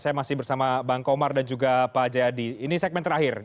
saya masih bersama bang komar dan juga pak jayadi ini segmen terakhir